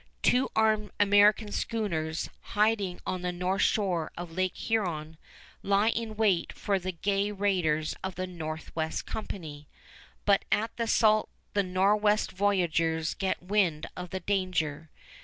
Two armed American schooners, hiding on the north shore of Lake Huron, lie in wait for the gay raiders of the Northwest Company; but at the Sault the Nor'west voyageurs get wind of the danger.